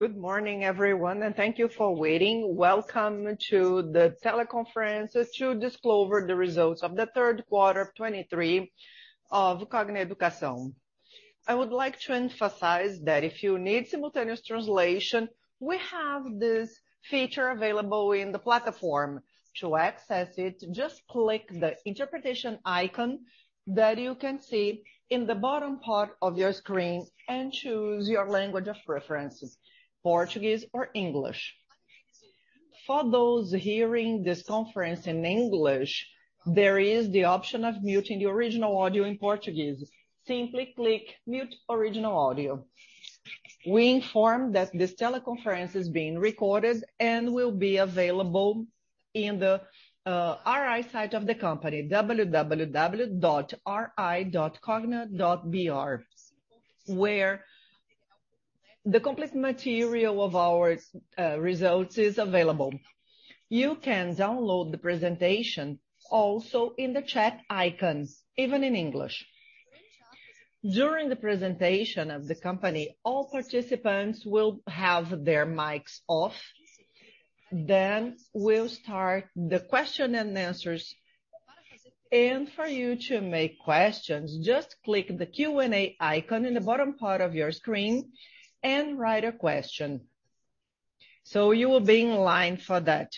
Good morning, everyone, and thank you for waiting. Welcome to the teleconference to disclose the results of the third quarter of 2023 of Cogna Educação. I would like to emphasize that if you need simultaneous translation, we have this feature available in the platform. To access it, just click the interpretation icon that you can see in the bottom part of your screen and choose your language of preferences, Portuguese or English. For those hearing this conference in English, there is the option of muting the original audio in Portuguese. Simply click mute original audio. We inform that this teleconference is being recorded and will be available in the RI site of the company, www.ri.cogna.com, where the complete material of our results is available. You can download the presentation also in the chat icons, even in English. During the presentation of the company, all participants will have their mics off. Then we'll start the question and answers. For you to make questions, just click the Q&A icon in the bottom part of your screen and write a question. So you will be in line for that.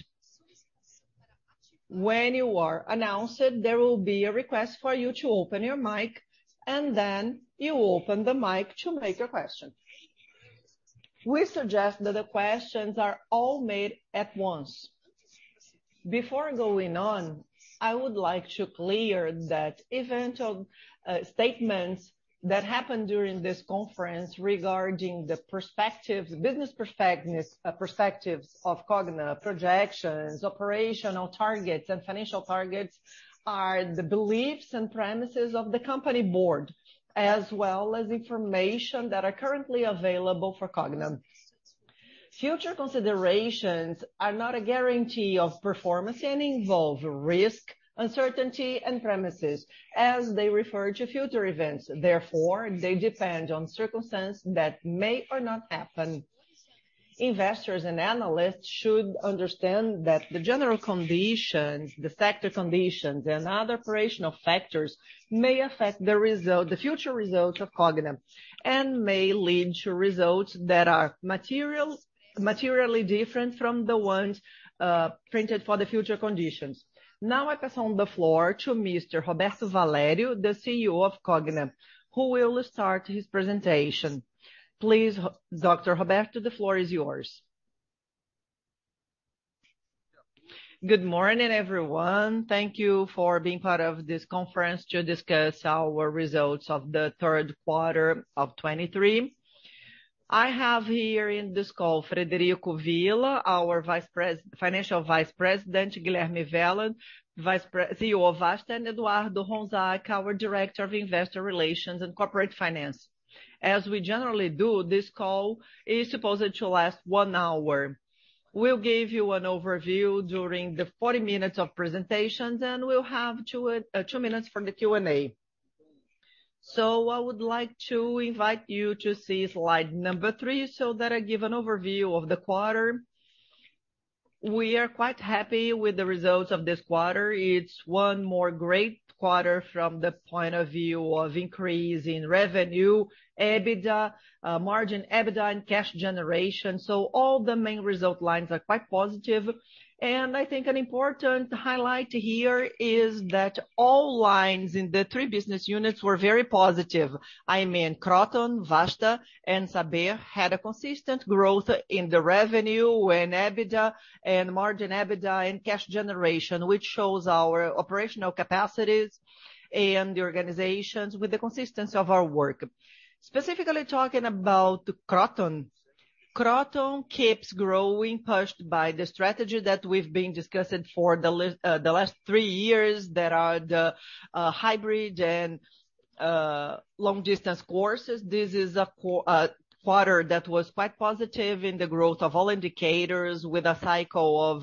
When you are announced, there will be a request for you to open your mic, and then you open the mic to make your question. We suggest that the questions are all made at once. Before going on, I would like to clear that event of statements that happened during this conference regarding the perspectives, business perspectives of Cogna, projections, operational targets, and financial targets are the beliefs and premises of the company board, as well as information that are currently available for Cogna. Future considerations are not a guarantee of performance and involve risk, uncertainty, and premises as they refer to future events, therefore, they depend on circumstances that may or not happen. Investors and analysts should understand that the general conditions, the factor conditions, and other operational factors may affect the result, the future results of Cogna, and may lead to results that are materially different from the ones printed for the future conditions. Now, I pass on the floor to Mr. Roberto Valério, the CEO of Cogna, who will start his presentation. Please, Dr. Roberto, the floor is yours. Good morning, everyone. Thank you for being part of this conference to discuss our results of the third quarter of 2023. I have here in this call, Frederico Villa, our Vice Pres- Financial Vice President, Guilherme Mélega, Vice Pres- CEO of Vasta, and Eduardo Rossetto, our Director of Investor Relations and Corporate Finance. As we generally do, this call is supposed to last one hour. We'll give you an overview during the 40 minutes of presentations, and we'll have two minutes for the Q&A. So I would like to invite you to see slide number three, so that I give an overview of the quarter. We are quite happy with the results of this quarter. It's one more great quarter from the point of view of increase in revenue, EBITDA, margin EBITDA, and cash generation. So all the main result lines are quite positive. And I think an important highlight here is that all lines in the three business units were very positive. I mean, Kroton, Vasta, and Saber had a consistent growth in the revenue and EBITDA, and margin EBITDA, and cash generation, which shows our operational capacities and the organizations with the consistency of our work. Specifically talking about Kroton. Kroton keeps growing, pushed by the strategy that we've been discussing for the last three years, that are the hybrid and long distance courses. This is a quarter that was quite positive in the growth of all indicators with a cycle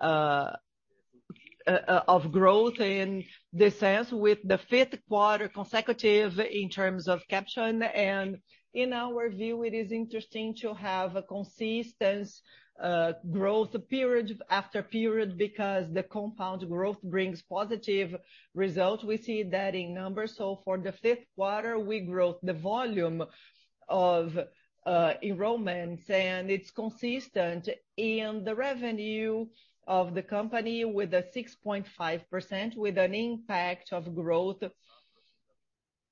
of growth in the sense with the fifth quarter consecutive in terms of caption. And in our view, it is interesting to have a consistent growth period after period, because the compound growth brings positive results. We see that in numbers. For the fifth quarter, we grew the volume of enrollments, and it's consistent in the revenue of the company with a 6.5%, with an impact of growth,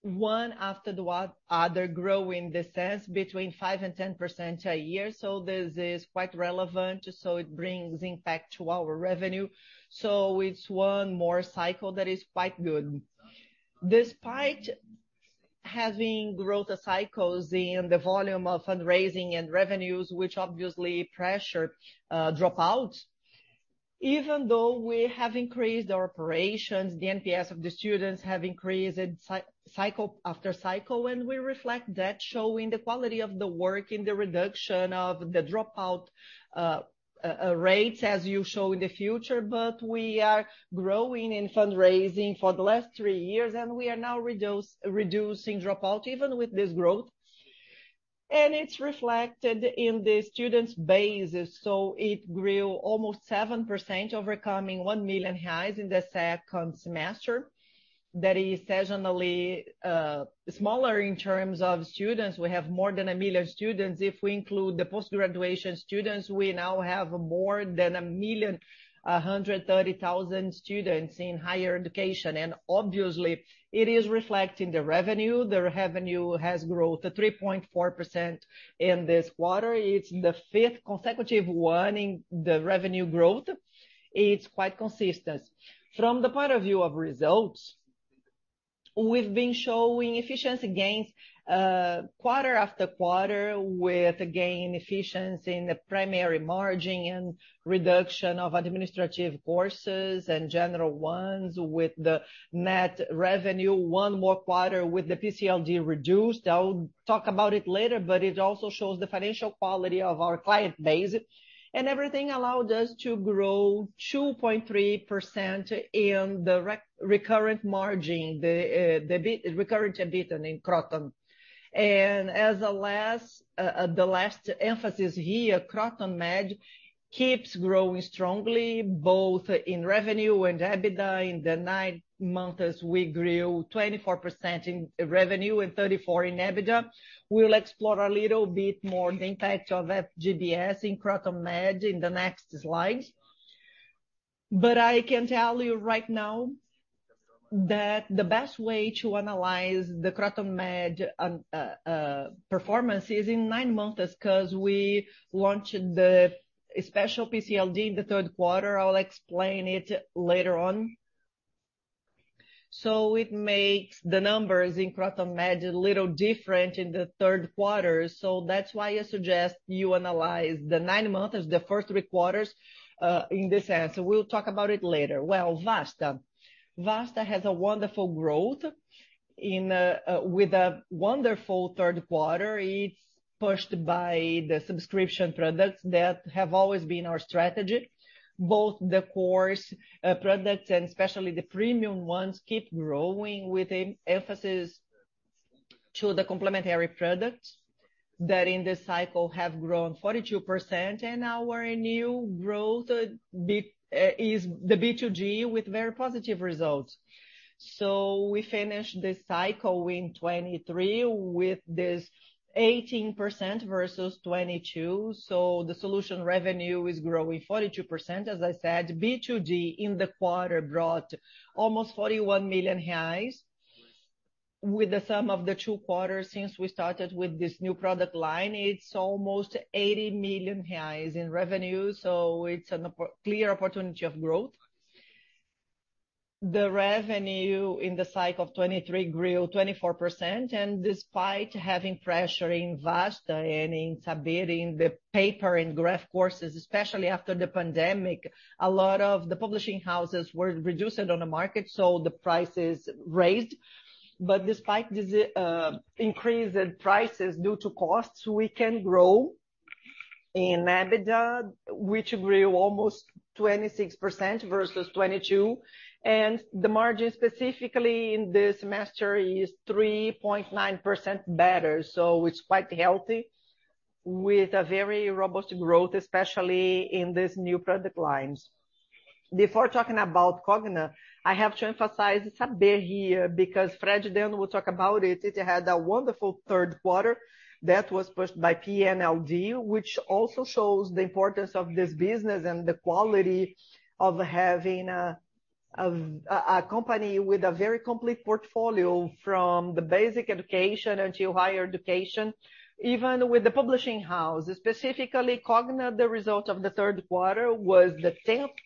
one after the other, growing the sales between 5% and 10% a year. This is quite relevant, so it brings impact to our revenue. It's one more cycle that is quite good. Despite having growth cycles in the volume of fundraising and revenues, which obviously pressure dropout, even though we have increased our operations, the NPS of the students have increased cycle after cycle, and we reflect that, showing the quality of the work in the reduction of the dropout rates, as you show in the future. But we are growing in fundraising for the last three years, and we are now reducing dropout, even with this growth. It's reflected in the students' bases, so it grew almost 7%, overcoming 1 million highs in the second semester. That is seasonally smaller in terms of students. We have more than 1 million students. If we include the post-graduation students, we now have more than 1,130,000 students in higher education, and obviously, it is reflecting the revenue. The revenue has grown 3.4% in this quarter. It's the fifth consecutive one in the revenue growth. It's quite consistent. From the point of view of results, we've been showing efficiency gains quarter after quarter, with a gain efficiency in the primary margin and reduction of administrative courses and general ones with the net revenue, one more quarter with the PCLD reduced. I'll talk about it later, but it also shows the financial quality of our client base. And everything allowed us to grow 2.3% in the recurrent margin, the recurrent EBITDA in Kroton. And as the last emphasis here, Kroton Med keeps growing strongly, both in revenue and EBITDA. In the ninth month, as we grew 24% in revenue and 34% in EBITDA. We'll explore a little bit more the impact of FG-Fies in Kroton Med in the next slides. But I can tell you right now that the best way to analyze the Kroton Med performance is in nine months, 'cause we launched the special PCLD in the third quarter. I'll explain it later on. So it makes the numbers in Kroton Med a little different in the third quarter. So that's why I suggest you analyze the nine months, the first three quarters, in this sense. We'll talk about it later. Well, Vasta. Vasta has a wonderful growth in, with a wonderful third quarter. It's pushed by the subscription products that have always been our strategy. Both the course, products and especially the premium ones, keep growing with an emphasis to the complementary products that in this cycle have grown 42%, and our new growth is the B2G, with very positive results. So we finished this cycle in 2023 with this 18% versus 2022, so the solution revenue is growing 42%. As I said, B2G in the quarter brought almost 41 million reais, with the sum of the two quarters since we started with this new product line, it's almost 80 million reais in revenue, so it's a clear opportunity of growth. The revenue in the cycle of 2023 grew 24%, and despite having pressure in Vasta and in Saber, in the paper and graph courses, especially after the pandemic, a lot of the publishing houses were reduced on the market, so the prices raised. But despite this increase in prices due to costs, we can grow in EBITDA, which grew almost 26% versus 2022, and the margin, specifically in this semester, is 3.9% better. So it's quite healthy, with a very robust growth, especially in these new product lines. Before talking about Cogna, I have to emphasize Saber here, because Fred then will talk about it. It had a wonderful third quarter that was pushed by PNLD, which also shows the importance of this business and the quality of having a company with a very complete portfolio from the basic education until higher education, even with the publishing house. Specifically, Cogna, the result of the third quarter, was the 10th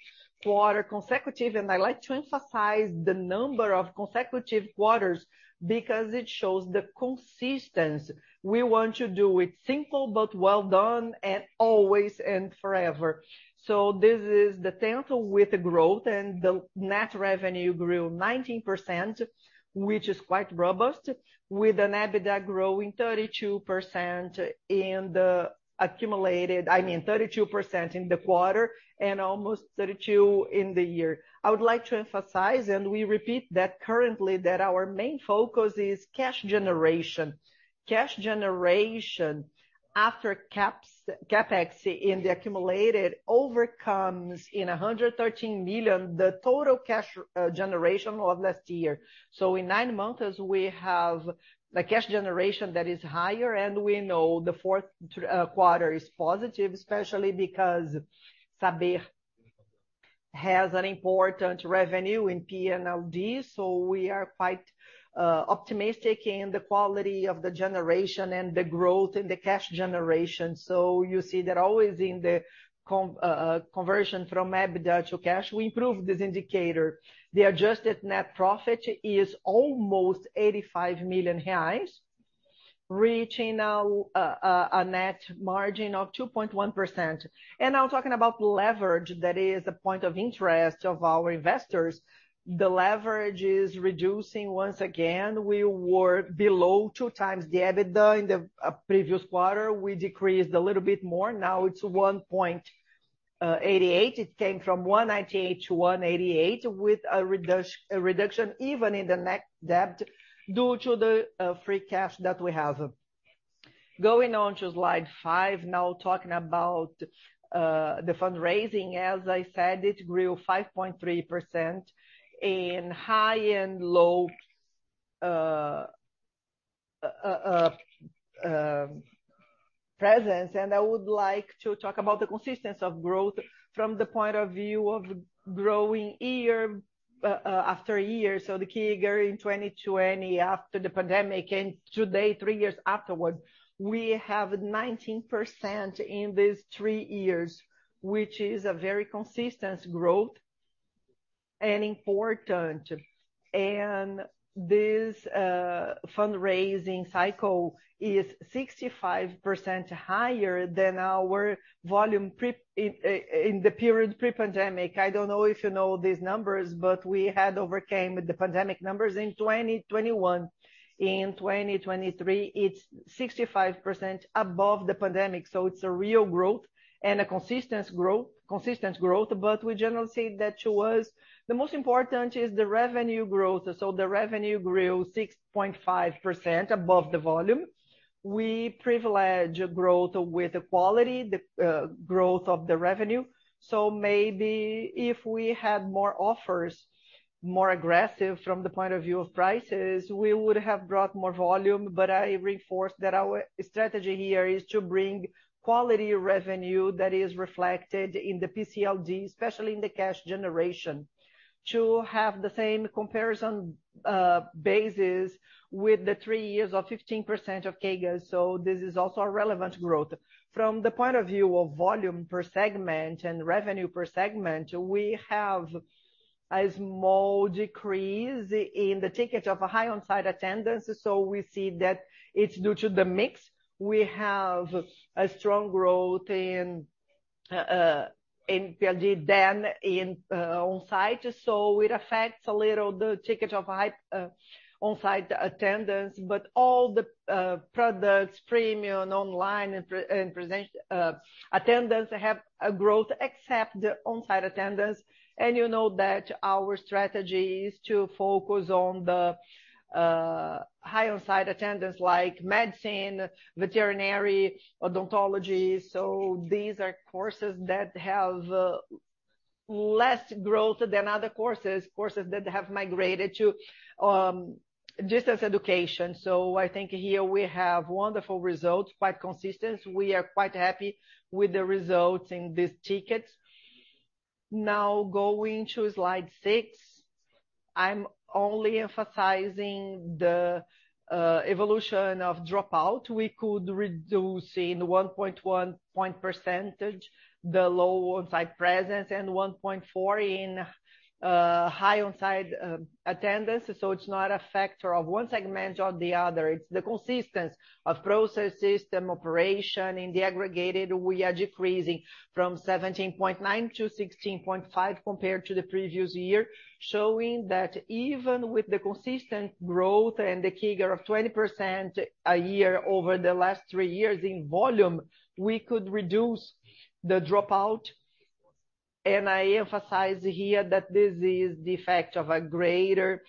quarter consecutive, and I'd like to emphasize the number of consecutive quarters because it shows the consistency. We want to do it simple but well done, and always and forever. So this is the 10th with growth, and the net revenue grew 19%, which is quite robust, with an EBITDA growing 32% in the accumulated, I mean, 32% in the quarter and almost 32% in the year. I would like to emphasize, and we repeat that currently, that our main focus is cash generation. Cash generation after CapEx in the accumulated overcomes 113 million, the total cash generation of last year. So in nine months, we have the cash generation that is higher, and we know the fourth quarter is positive, especially because Saber has an important revenue in PNLD. So we are quite optimistic in the quality of the generation and the growth in the cash generation. So you see that always in the conversion from EBITDA to cash, we improve this indicator. The adjusted net profit is almost 85 million reais, reaching now a net margin of 2.1%. And now talking about leverage, that is a point of interest of our investors. The leverage is reducing once again. We were below 2x the EBITDA in the previous quarter. We decreased a little bit more. Now it's 1.88. It came from 1.98 to 1.88, with a reduction even in the net debt due to the free cash that we have. Going on to slide five, now talking about the fundraising. As I said, it grew 5.3% in high and low presence, and I would like to talk about the consistency of growth from the point of view of growing year after year. So the CAGR in 2020 after the pandemic, and today, three years afterwards, we have 19% in these three years, which is a very consistent growth and important. And this fundraising cycle is 65% higher than our volume in the period pre-pandemic. I don't know if you know these numbers, but we had overcame the pandemic numbers in 2021. In 2023, it's 65% above the pandemic, so it's a real growth and a consistent growth, consistent growth, but we generally say that to us, the most important is the revenue growth. So the revenue grew 6.5% above the volume. We privilege growth with the quality, the growth of the revenue. So maybe if we had more offers, more aggressive from the point of view of prices, we would have brought more volume. But I reinforce that our strategy here is to bring quality revenue that is reflected in the PCLD, especially in the cash generation, to have the same comparison basis with the three years of 15% of CAGR, so this is also a relevant growth. From the point of view of volume per segment and revenue per segment, we have a small decrease in the ticket of a high on-site attendance, so we see that it's due to the mix. We have a strong growth in EAD than in on-site, so it affects a little the ticket of high on-site attendance. But all the products, premium, online and present attendance have a growth except the on-site attendance. And you know that our strategy is to focus on the high on-site attendance, like medicine, veterinary, odontology. So these are courses that have less growth than other courses, courses that have migrated to distance education. So I think here we have wonderful results, quite consistent. We are quite happy with the results in this ticket. Now, going to slide six, I'm only emphasizing the evolution of dropout. We could reduce in 1.1 percentage points the low on-site presence, and 1.4 in high on-site attendance. So it's not a factor of one segment or the other, it's the consistency of process, system, operation. In the aggregated, we are decreasing from 17.9% to 16.5% compared to the previous year, showing that even with the consistent growth and the CAGR of 20% a year over the last three years in volume, we could reduce the dropout. I emphasize here that this is the effect of a greater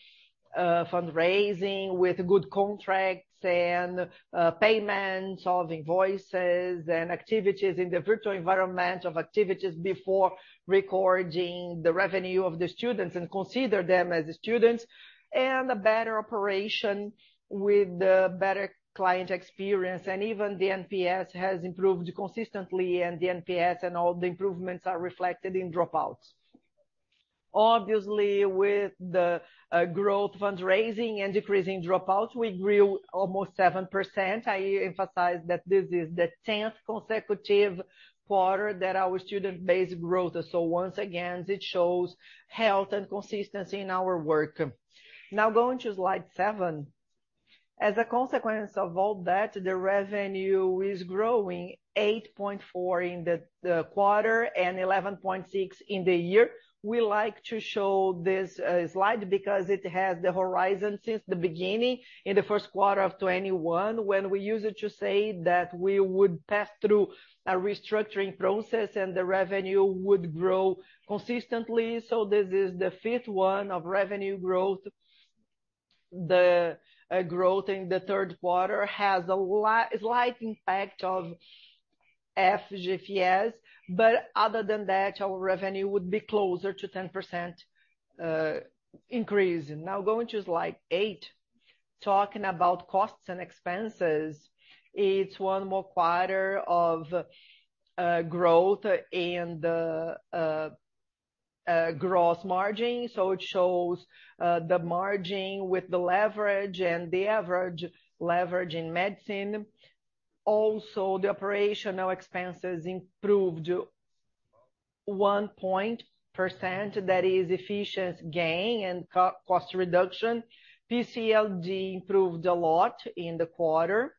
fundraising with good contracts and payments of invoices and activities in the virtual environment of activities before recording the revenue of the students and consider them as students, and a better operation with the better client experience. Even the NPS has improved consistently, and the NPS and all the improvements are reflected in dropouts. Obviously, with the growth, fundraising and decreasing dropouts, we grew almost 7%. I emphasize that this is the tenth consecutive quarter that our student base growth, so once again, it shows health and consistency in our work. Now, going to slide seven. As a consequence of all that, the revenue is growing 8.4% in the quarter and 11.6% in the year. We like to show this slide because it has the horizon since the beginning, in the first quarter of 2021, when we used it to say that we would pass through a restructuring process and the revenue would grow consistently. So this is the fifth one of revenue growth. The growth in the third quarter has a slight impact of FGFS, but other than that, our revenue would be closer to 10% increase. Now, going to slide eight, talking about costs and expenses. It's one more quarter of growth and gross margin, so it shows the margin with the leverage and the average leverage in medicine. Also, the operational expenses improved 1 point percent, that is efficient gain and cost reduction. PCLD improved a lot in the quarter.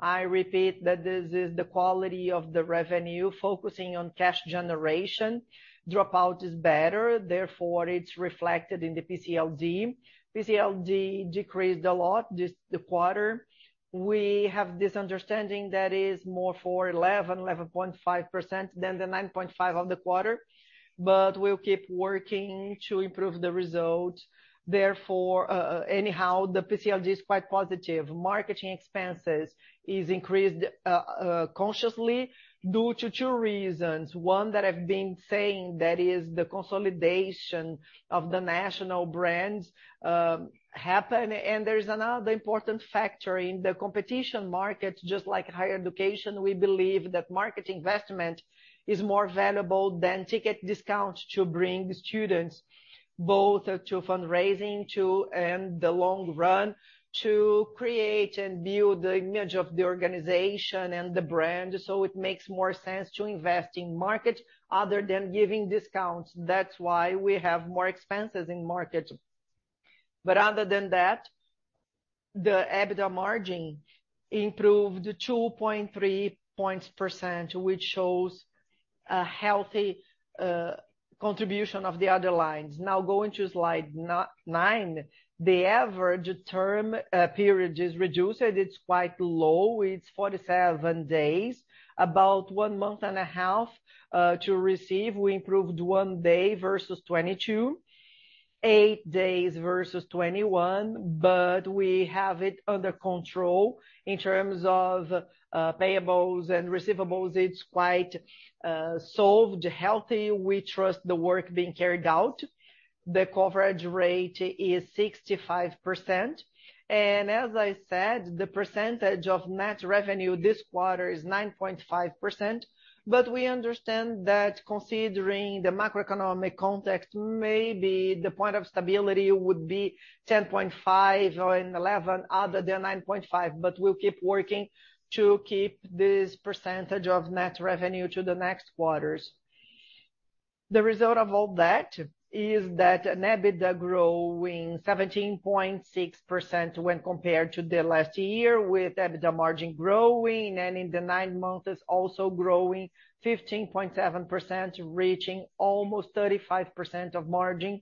I repeat that this is the quality of the revenue, focusing on cash generation. Dropout is better, therefore, it's reflected in the PCLD. PCLD decreased a lot this quarter. We have this understanding that is more for 11%, 11.5% than the 9.5% of the quarter, but we'll keep working to improve the result. Therefore, anyhow, the PCLD is quite positive. Marketing expenses is increased, consciously due to two reasons. One, that I've been saying, that is the consolidation of the national brands, happen. And there is another important factor in the competition market, just like higher education, we believe that market investment is more valuable than ticket discounts to bring students both to fundraising, to and the long run, to create and build the image of the organization and the brand. So it makes more sense to invest in market other than giving discounts. That's why we have more expenses in market. But other than that, the EBITDA margin improved 2.3 points percent, which shows a healthy contribution of the other lines. Now, going to slide nine. The average term period is reduced, it's quite low. It's 47 days, about one month and a half to receive. We improved one day versus 2022, 8 days versus 2021, but we have it under control. In terms of payables and receivables, it's quite solved, healthy. We trust the work being carried out. The coverage rate is 65%, and as I said, the percentage of net revenue this quarter is 9.5%. But we understand that considering the macroeconomic context, maybe the point of stability would be 10.5 or 11, other than 9.5, but we'll keep working to keep this percentage of net revenue to the next quarters. The result of all that is that an EBITDA growing 17.6% when compared to the last year, with EBITDA margin growing, and in the nine months, it's also growing 15.7%, reaching almost 35% of margin,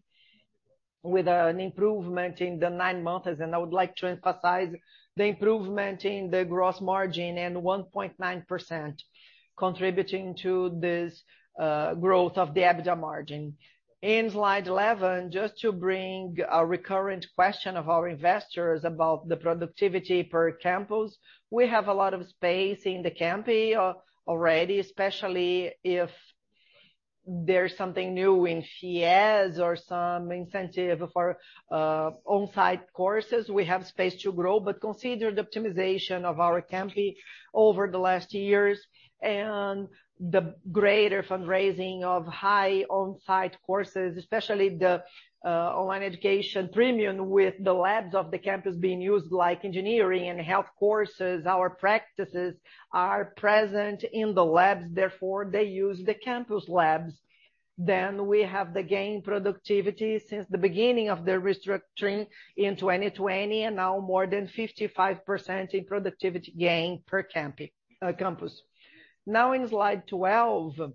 with an improvement in the nine months. And I would like to emphasize the improvement in the gross margin and 1.9% contributing to this growth of the EBITDA margin. In slide 11, just to bring a recurrent question of our investors about the productivity per campus. We have a lot of space in the campi already, especially if there's something new in FIES or some incentive for on-site courses. We have space to grow, but consider the optimization of our campi over the last years and the greater fundraising of high on-site courses, especially the online education premium with the labs of the campus being used, like engineering and health courses. Our practices are present in the labs, therefore, they use the campus labs. Then we have the gain productivity since the beginning of the restructuring in 2020, and now more than 55% in productivity gain per campus. Now, in slide 12,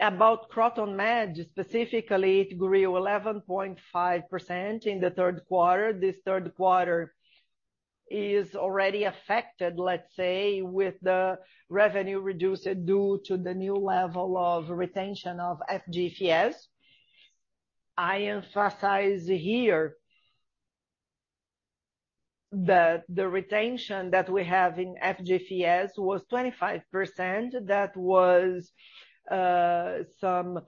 about Kroton Med, specifically, it grew 11.5% in the third quarter. This third quarter is already affected, let's say, with the revenue reduced due to the new level of retention of FGFS. I emphasize here that the retention that we have in FGFS was 25%. That was some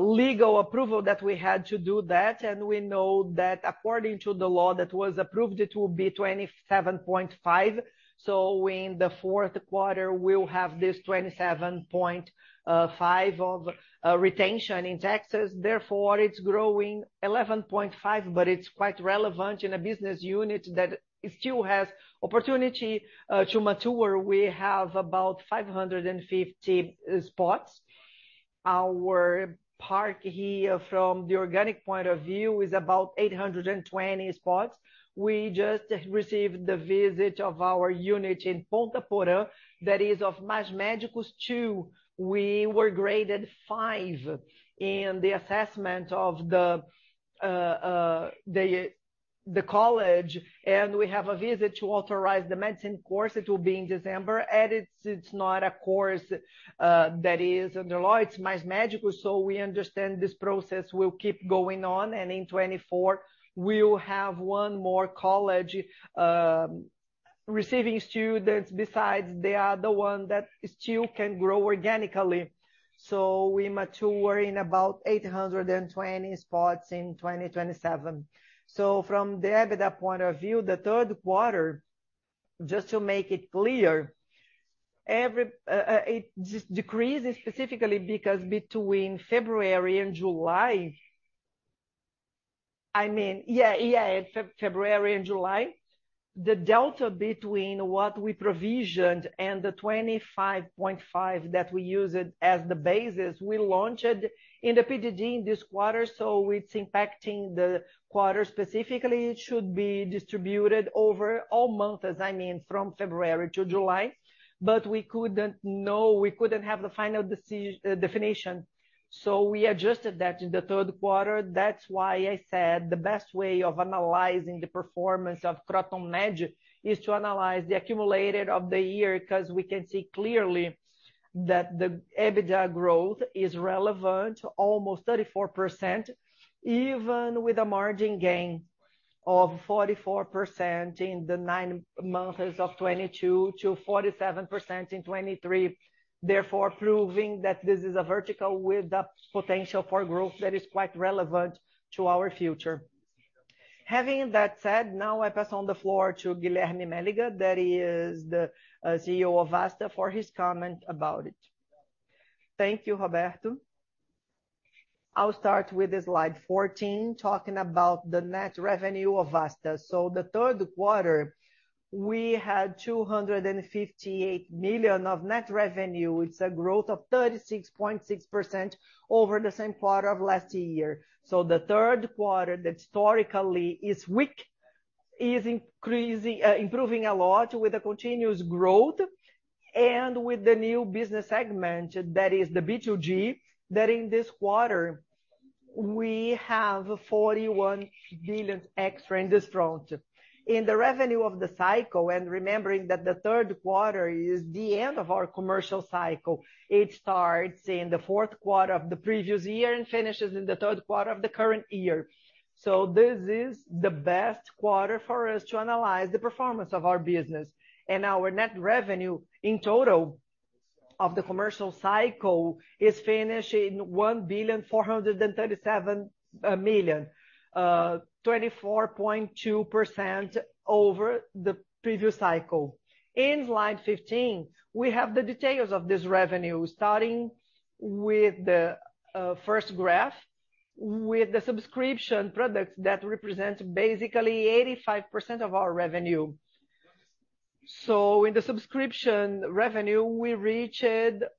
legal approval that we had to do that, and we know that according to the law that was approved, it will be 27.5. So in the fourth quarter, we'll have this 27.5 of retention in taxes. Therefore, it's growing 11.5, but it's quite relevant in a business unit that still has opportunity to mature. We have about 550 spots. Our park here, from the organic point of view, is about 820 spots. We just received the visit of our unit in Ponta Porã, that is of Mais Médicos II. We were graded five in the assessment of the college, and we have a visit to authorize the medicine course. It will be in December, and it's, it's not a course that is under law, it's Mais Médicos, so we understand this process will keep going on, and in 2024, we'll have one more college receiving students. Besides, they are the one that still can grow organically. So we mature in about 820 spots in 2027. So from the EBITDA point of view, the third quarter, just to make it clear, it just decreases specifically because between February and July, I mean, yeah, yeah, in February and July, the delta between what we provisioned and the 25.5 that we used as the basis, we launched in the PDG in this quarter, so it's impacting the quarter specifically. It should be distributed over all month, as I mean, from February to July, but we couldn't know, we couldn't have the final decision definition. So we adjusted that in the third quarter. That's why I said the best way of analyzing the performance of Kroton Med is to analyze the accumulated of the year, 'cause we can see clearly that the EBITDA growth is relevant, almost 34%, even with a margin gain of 44% in the nine months of 2022 to 47% in 2023. Therefore, proving that this is a vertical with the potential for growth that is quite relevant to our future. Having that said, now I pass on the floor to Guilherme Mélega, that is the CEO of Vasta, for his comment about it. Thank you, Roberto. I'll start with the slide 14, talking about the net revenue of Vasta. So the third quarter, we had 258 million of net revenue. It's a growth of 36.6% over the same quarter of last year. So the third quarter, that historically is weak, is increasing, improving a lot with a continuous growth and with the new business segment, that is the B2G, that in this quarter, we have 41 billion extra in this front. In the revenue of the cycle, and remembering that the third quarter is the end of our commercial cycle, it starts in the fourth quarter of the previous year and finishes in the third quarter of the current year. So this is the best quarter for us to analyze the performance of our business. Our net revenue in total of the commercial cycle is finishing BRL 1,437 million, 24.2% over the previous cycle. In slide 15, we have the details of this revenue, starting with the first graph, with the subscription products that represent basically 85% of our revenue. So in the subscription revenue, we reached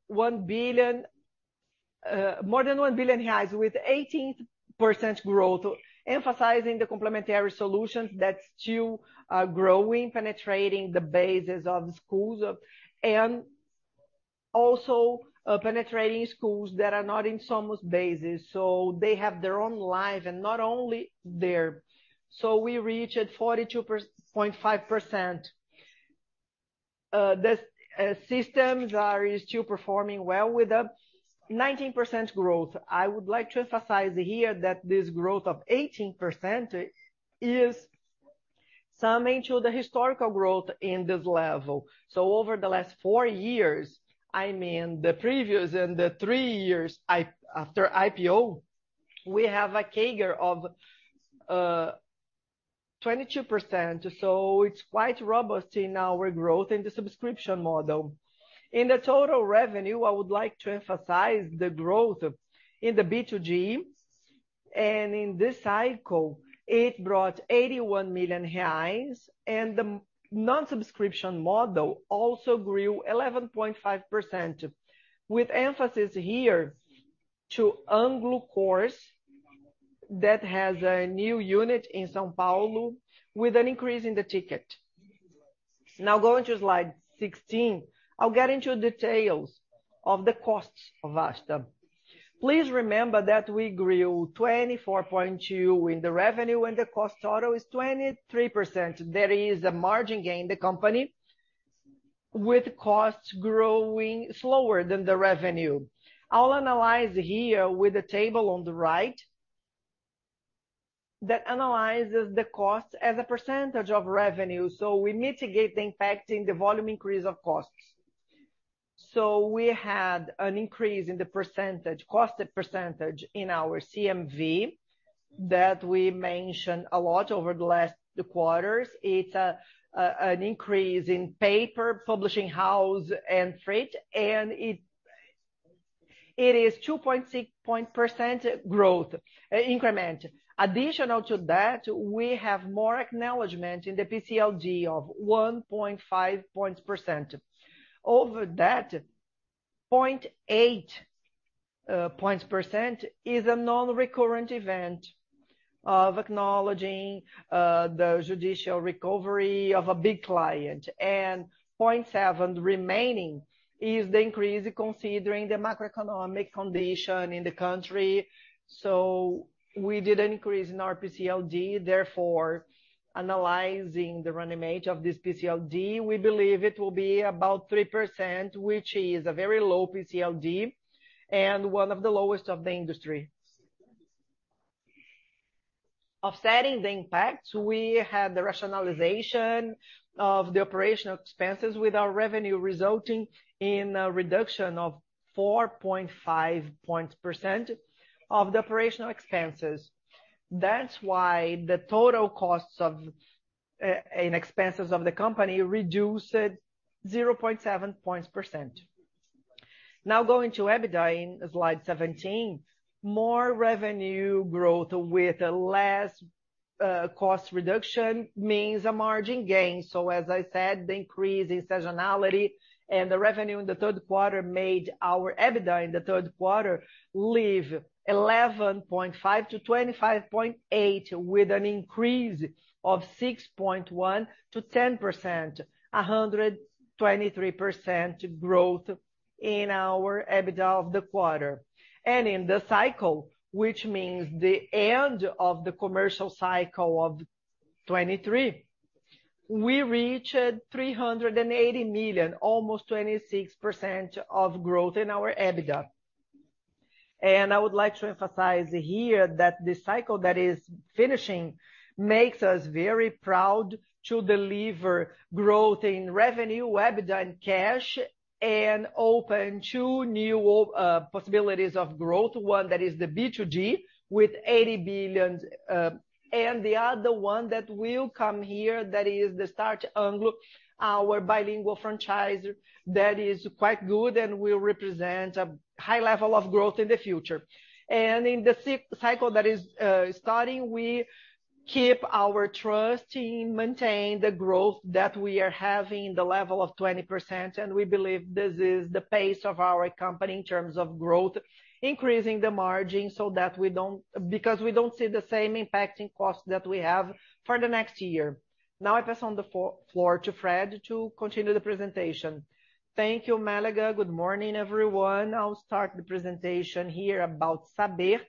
one billion, more than 1 billion reais, with 18% growth, emphasizing the complementary solutions that's still growing, penetrating the bases of the schools of and also penetrating schools that are not in Somos bases, so they have their own life and not only there. So we reached 42.5%. The systems are still performing well with a 19% growth. I would like to emphasize here that this growth of 18% is summing to the historical growth in this level. So over the last four years, I mean, the previous and the three years after IPO, we have a CAGR of 22%, so it's quite robust in our growth in the subscription model. In the total revenue, I would like to emphasize the growth in the B2G, and in this cycle, it brought 81 million reais, and the non-subscription model also grew 11.5%, with emphasis here to Anglo Course, that has a new unit in São Paulo, with an increase in the ticket. Now, going to slide 16, I'll get into details of the costs of Vasta. Please remember that we grew 24.2 in the revenue, and the cost total is 23%. There is a margin gain in the company, with costs growing slower than the revenue. I'll analyze here with the table on the right, that analyzes the cost as a percentage of revenue, so we mitigate the impact in the volume increase of costs. We had an increase in the percentage, cost percentage in our CMV, that we mentioned a lot over the last quarters. It's an increase in paper, publishing house and freight, and it is 2.6 percentage point growth, increment. Additional to that, we have more acknowledgment in the PCLD of 1.5 percentage points. Over that, 0.8 percentage points is a non-recurrent event of acknowledging the judicial recovery of a big client, and 0.7 remaining is the increase considering the macroeconomic condition in the country. So we did an increase in our PCLD, therefore, analyzing the run rate of this PCLD, we believe it will be about 3%, which is a very low PCLD and one of the lowest in the industry. Offsetting the impact, we had the rationalization of the operational expenses with our revenue, resulting in a reduction of 4.5 percentage points of the operational expenses. That's why the total costs and expenses of the company reduced 0.7 percentage points. Now going to EBITDA in slide 17, more revenue growth with less cost reduction means a margin gain. As I said, the increase in seasonality and the revenue in the third quarter made our EBITDA in the third quarter leave 11.5-25.8, with an increase of 6.1-10%, a 123% growth in our EBITDA of the quarter. In the cycle, which means the end of the commercial cycle of 2023, we reached 380 million, almost 26% growth in our EBITDA. I would like to emphasize here that this cycle that is finishing makes us very proud to deliver growth in revenue, EBITDA, and cash, and open two new possibilities of growth. One, that is the B2G, with 80 billion, and the other one that will come here, that is the Start, our bilingual franchise, that is quite good and will represent a high level of growth in the future. In the cycle that is starting, we keep our trust in maintain the growth that we are having, the level of 20%, and we believe this is the pace of our company in terms of growth, increasing the margin so that we don't, because we don't see the same impact in costs that we have for the next year. Now, I pass on the floor to Fred to continue the presentation. Thank you, Mélega. Good morning, everyone. I'll start the presentation here about Saber.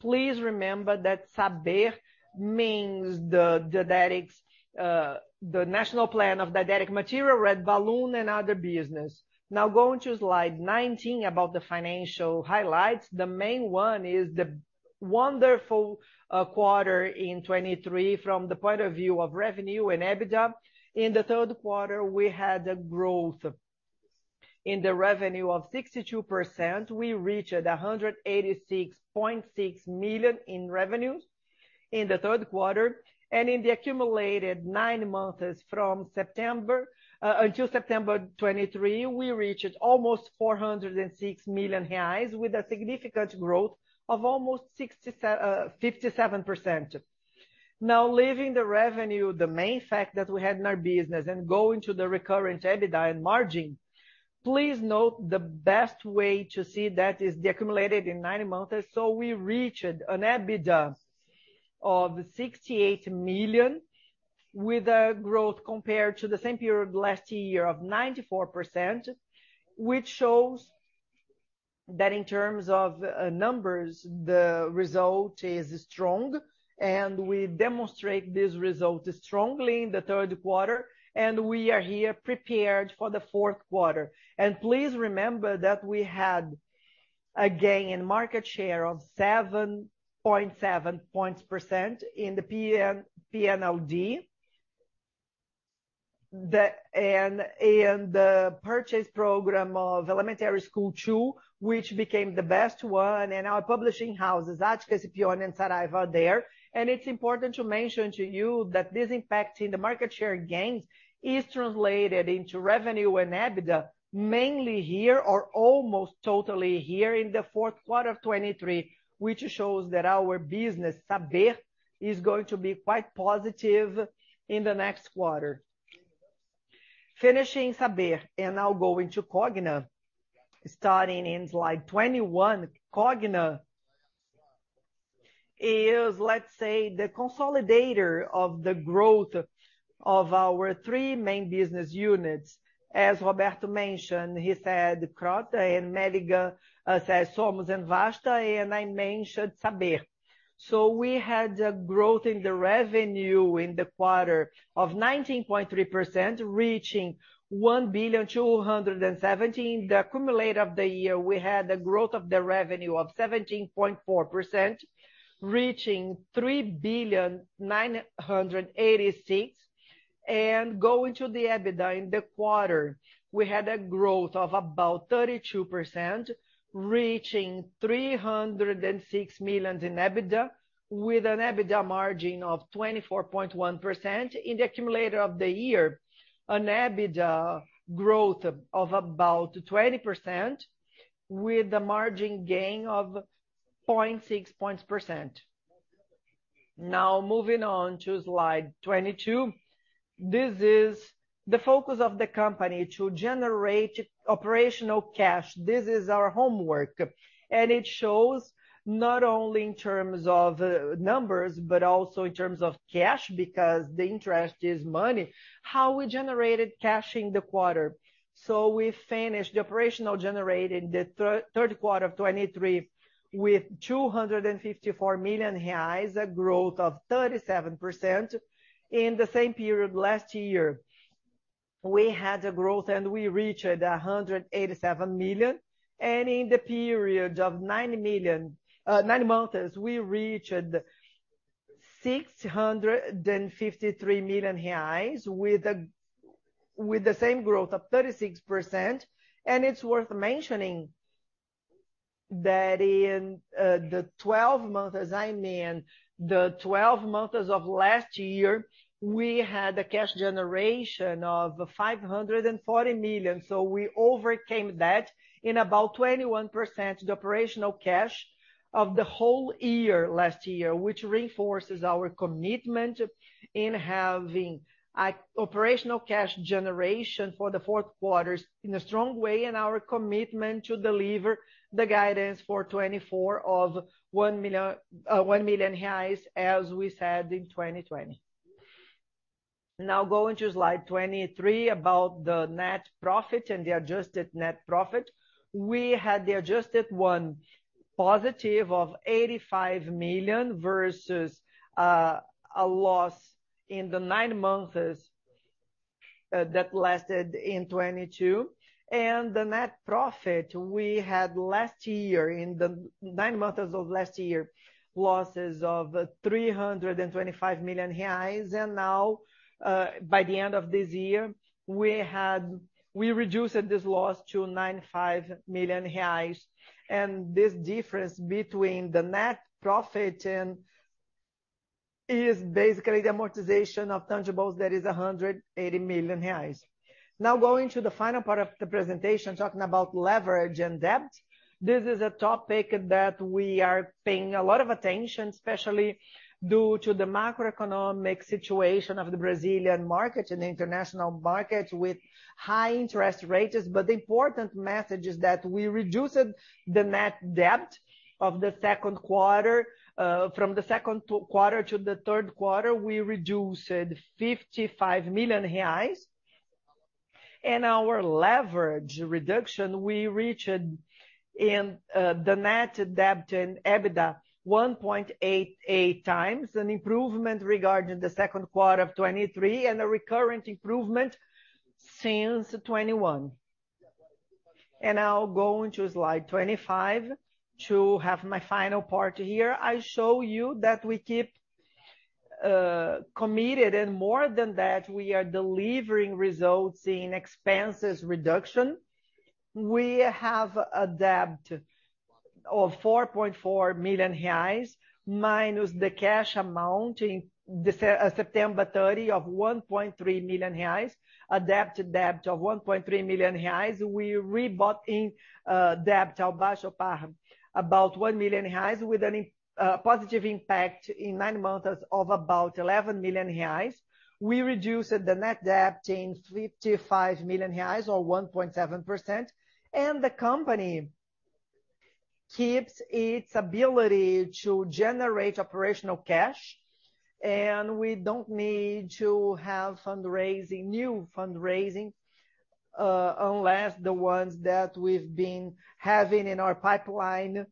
Please remember that Saber means the didactics, the national plan of didactic material, Red Balloon and other business. Now, going to slide 19, about the financial highlights. The main one is the wonderful quarter in 2023 from the point of view of revenue and EBITDA. In the third quarter, we had a growth in the revenue of 62%. We reached 186.6 million in revenues in the third quarter, and in the accumulated nine months from September until September 2023, we reached almost 406 million reais, with a significant growth of almost 57%. Now, leaving the revenue, the main fact that we had in our business and going to the recurrent EBITDA and margin, please note the best way to see that is the accumulated in nine months. So we reached an EBITDA of 68 million, with a growth compared to the same period last year of 94%, which shows that in terms of numbers, the result is strong, and we demonstrate this result strongly in the third quarter, and we are here prepared for the fourth quarter. Please remember that we had a gain in market share of 7.7 percentage points in the PNLD. The purchase program of elementary school two, which became the best one in our publishing houses, Atlas, Scipione, and Saraiva there. It's important to mention to you that this impact in the market share gains is translated into revenue and EBITDA, mainly here or almost totally here in the fourth quarter of 2023, which shows that our business, Saber, is going to be quite positive in the next quarter. Finishing Saber, and now going to Cogna. Starting in slide 21, Cogna is, let's say, the consolidator of the growth of our three main business units. As Roberto mentioned, he said Kroton and Mélega said Somos and Vasta, and I mentioned Saber. So we had a growth in the revenue in the quarter of 19.3%, reaching BRL 1.217 billion. In the accumulator of the year, we had a growth of the revenue of 17.4%, reaching BRL 3.986 billion. And going to the EBITDA in the quarter, we had a growth of about 32%, reaching 306 million in EBITDA, with an EBITDA margin of 24.1%. In the accumulator of the year, an EBITDA growth of about 20%, with a margin gain of 0.6 percentage points. Now, moving on to slide 22. This is the focus of the company, to generate operational cash. This is our homework, and it shows not only in terms of numbers, but also in terms of cash, because the interest is money, how we generated cash in the quarter. So we finished the operational generated the third quarter of 2023 with 254 million reais, a growth of 37%. In the same period last year, we had a growth and we reached 187 million, and in the period of nine million, nine months, we reached 653 million reais, with the same growth of 36%. And it's worth mentioning that in the 12 months, as I'm in, the 12 months as of last year, we had a cash generation of 540 million. So we overcame that in about 21%, the operational cash of the whole year, last year, which reinforces our commitment in having a operational cash generation for the fourth quarters in a strong way, and our commitment to deliver the guidance for 2024 of 1 million, as we said in 2020. Now, going to slide 23, about the net profit and the adjusted net profit. We had the adjusted one positive of 85 million versus a loss in the nine months that lasted in 2022. And the net profit we had last year, in the nine months of last year, losses of 325 million reais. And now, by the end of this year, we had we reduced this loss to 95 million reais. And this difference between the net profit and is basically the amortization of tangibles, that is 180 million reais. Now, going to the final part of the presentation, talking about leverage and debt. This is a topic that we are paying a lot of attention, especially due to the macroeconomic situation of the Brazilian market and the international market with high interest rates. But the important message is that we reduced the net debt of the second quarter, from the second quarter to the third quarter, we reduced 55 million reais. And our leverage reduction, we reached in, the net debt in EBITDA 1.88 times, an improvement regarding the second quarter of 2023, and a recurrent improvement since 2021. And now going to slide 25 to have my final part here. I show you that we keep committed, and more than that, we are delivering results in expenses reduction. We have a debt of 4.4 million reais, minus the cash amount in the September 30 of 1.3 million reais, a debt of 1.3 million reais. We rebought in debt or below par about 1 million reais, with a positive impact in nine months of about 11 million reais. We reduced the net debt in 55 million reais or 1.7%, and the company keeps its ability to generate operational cash, and we don't need to have fundraising, new fundraising, unless the ones that we've been having in our pipeline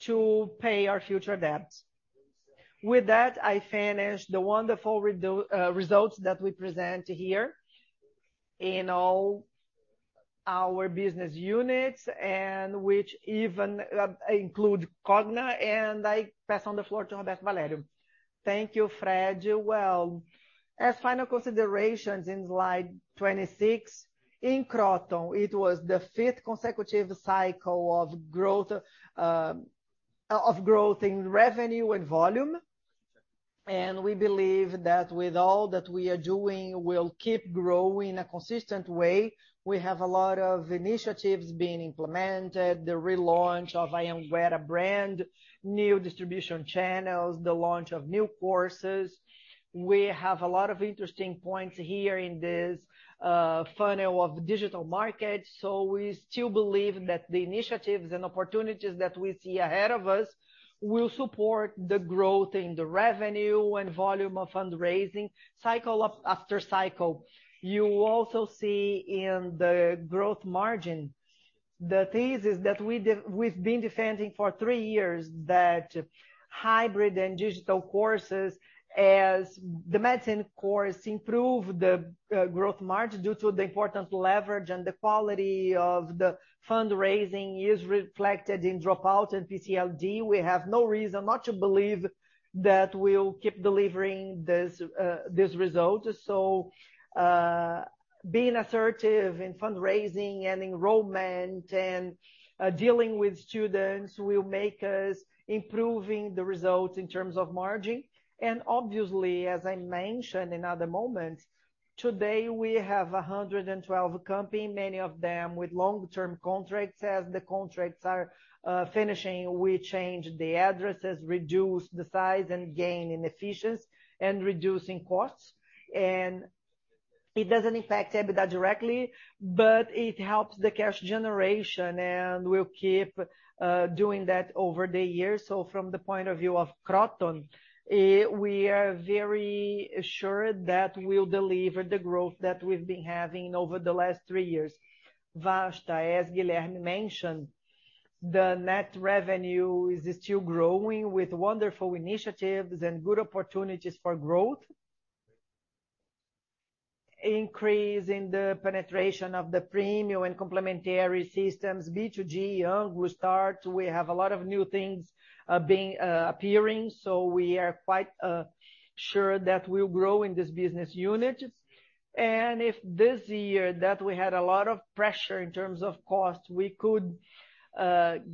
to pay our future debts. With that, I finish the wonderful results that we present here in all our business units, and which even include Cogna, and I pass the floor to Roberto Valério. Thank you, Fred. Well, as final considerations in slide 26, in Kroton, it was the fifth consecutive cycle of growth in revenue and volume. We believe that with all that we are doing, we'll keep growing in a consistent way. We have a lot of initiatives being implemented, the relaunch of Anhanguera brand, new distribution channels, the launch of new courses. We have a lot of interesting points here in this funnel of digital market. So we still believe that the initiatives and opportunities that we see ahead of us will support the growth in the revenue and volume of fundraising cycle after cycle. You also see in the growth margin the thesis that we've been defending for three years, that hybrid and digital courses, as the medicine course, improve the growth margin due to the important leverage and the quality of the fundraising is reflected in dropout and PCLD. We have no reason not to believe that we'll keep delivering this result. So, being assertive in fundraising and enrollment and dealing with students will make us improving the results in terms of margin. And obviously, as I mentioned in other moments, today, we have 112 company, many of them with long-term contracts. As the contracts are finishing, we change the addresses, reduce the size, and gain in efficiency and reducing costs. And it doesn't affect EBITDA directly, but it helps the cash generation, and we'll keep doing that over the years. So from the point of view of Kroton, we are very assured that we'll deliver the growth that we've been having over the last three years. Vasta, as Guilherme mentioned, the net revenue is still growing with wonderful initiatives and good opportunities for growth, increase in the penetration of the premium and complementary systems, B2G, young, we start, we have a lot of new things being appearing, so we are quite sure that we'll grow in this business unit. And if this year that we had a lot of pressure in terms of cost, we could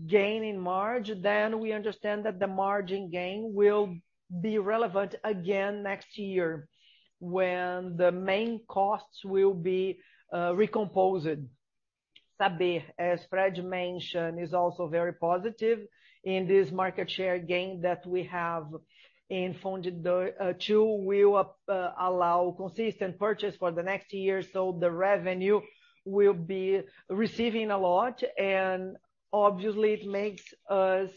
gain in margin, then we understand that the margin gain will be relevant again next year, when the main costs will be recomposed. Saber, as Fred mentioned, is also very positive in this market share gain that we have in funding. The two will allow consistent purchase for the next year, so the revenue will be receiving a lot, and obviously, it makes us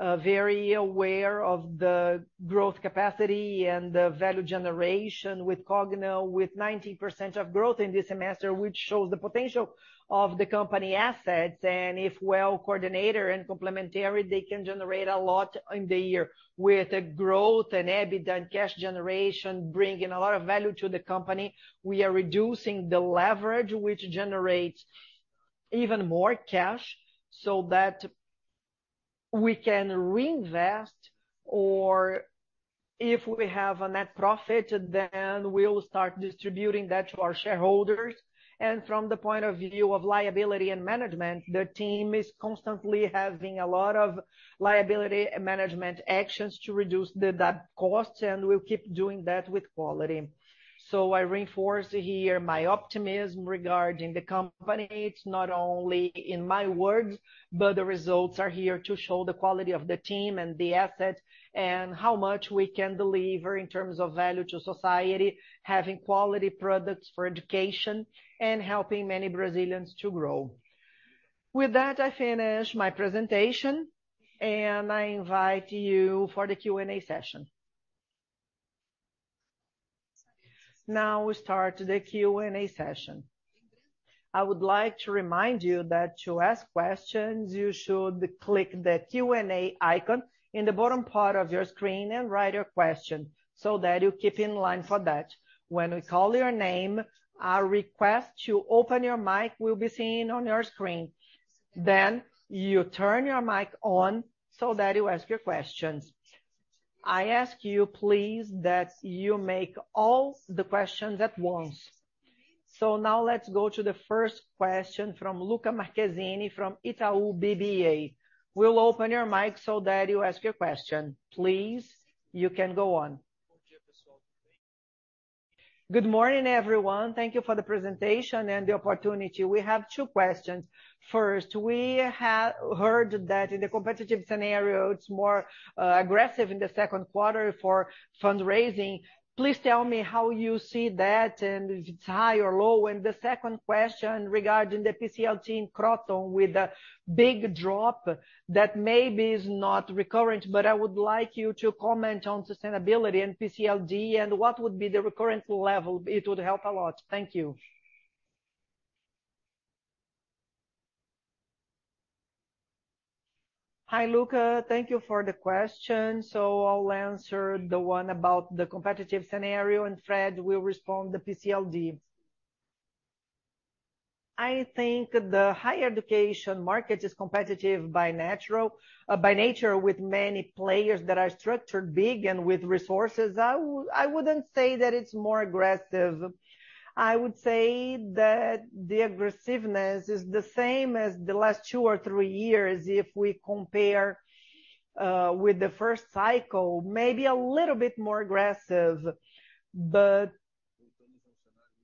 very aware of the growth capacity and the value generation with Cogna, with 90% of growth in this semester, which shows the potential of the company assets. If well coordinated and complementary, they can generate a lot in the year. With the growth and EBITDA and cash generation bringing a lot of value to the company, we are reducing the leverage, which generates even more cash, so that we can reinvest, or if we have a net profit, then we'll start distributing that to our shareholders. From the point of view of liability and management, the team is constantly having a lot of liability management actions to reduce the debt cost, and we'll keep doing that with quality. So I reinforce here my optimism regarding the company. It's not only in my words, but the results are here to show the quality of the team and the assets, and how much we can deliver in terms of value to society, having quality products for education and helping many Brazilians to grow. With that, I finish my presentation, and I invite you for the Q&A session. Now, we start the Q&A session. I would like to remind you that to ask questions, you should click the Q&A icon in the bottom part of your screen and write your question, so that you keep in line for that. When we call your name, a request to open your mic will be seen on your screen. Then, you turn your mic on so that you ask your questions. I ask you, please, that you make all the questions at once. So now let's go to the first question from Lucca Marquezini from Itaú BBA. We'll open your mic so that you ask your question. Please, you can go on. Good morning, everyone. Thank you for the presentation and the opportunity. We have two questions. First, we have heard that in the competitive scenario, it's more aggressive in the second quarter for fundraising. Please tell me how you see that and if it's high or low. And the second question regarding the PCLD in Kroton with a big drop that maybe is not recurrent, but I would like you to comment on sustainability and PCLD and what would be the recurrent level. It would help a lot. Thank you. Hi, Lucca. Thank you for the question. So I'll answer the one about the competitive scenario, and Fred will respond the PCLD. I think the higher education market is competitive by nature, with many players that are structured big and with resources. I wouldn't say that it's more aggressive. I would say that the aggressiveness is the same as the last two or three years. If we compare with the first cycle, maybe a little bit more aggressive, but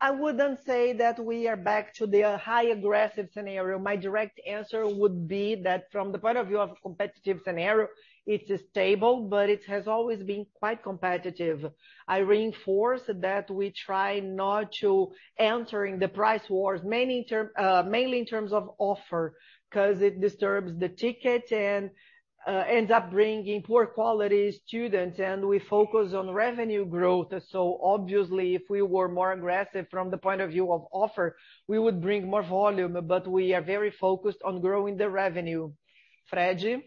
I wouldn't say that we are back to the high aggressive scenario. My direct answer would be that from the point of view of competitive scenario, it is stable, but it has always been quite competitive. I reinforce that we try not to entering the price wars, mainly in terms of offer, 'cause it disturbs the ticket and ends up bringing poor quality students, and we focus on revenue growth. So obviously, if we were more aggressive from the point of view of offer, we would bring more volume, but we are very focused on growing the revenue. Fred?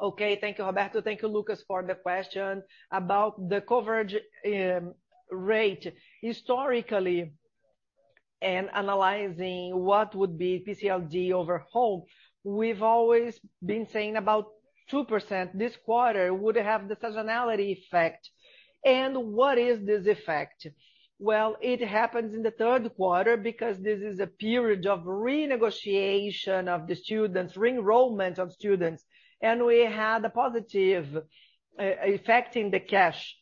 Okay. Thank you, Roberto. Thank you, Lucas, for the question. About the coverage rate, historically and analyzing what would be PCLD overhaul, we've always been saying about 2% this quarter would have the seasonality effect. And what is this effect? Well, it happens in the third quarter because this is a period of renegotiation of the students, re-enrollment of students, and we had a positive effect in the cash,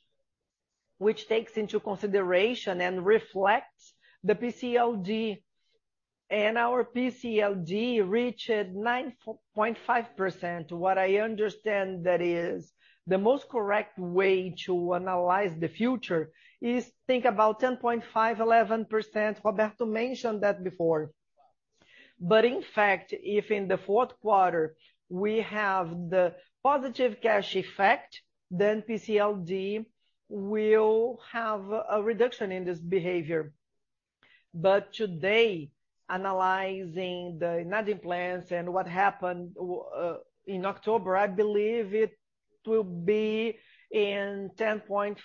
which takes into consideration and reflects the PCLD. And our PCLD reached 9.5%. What I understand that is the most correct way to analyze the future is think about 10.5%-11%. Roberto mentioned that before. But in fact, if in the fourth quarter we have the positive cash effect, then PCLD will have a reduction in this behavior, but today, analyzing the ad plans and what happened in October, I believe it will be in 10.5%